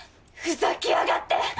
ふざけやがって！